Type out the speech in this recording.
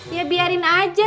ya biarin aja